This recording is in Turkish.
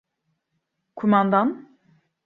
Kumandan?